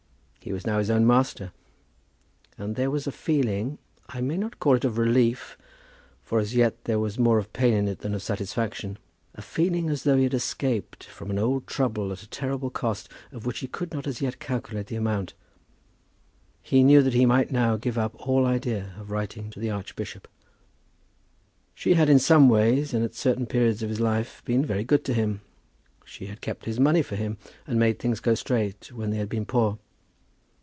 He was now his own master, and there was a feeling, I may not call it of relief, for as yet there was more of pain in it than of satisfaction, a feeling as though he had escaped from an old trouble at a terrible cost of which he could not as yet calculate the amount. He knew that he might now give up all idea of writing to the archbishop. She had in some ways, and at certain periods of his life, been very good to him. She had kept his money for him and made things go straight, when they had been poor.